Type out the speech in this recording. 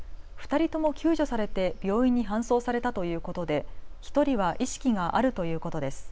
２人とも救助されて病院に搬送されたということで１人は意識があるということです。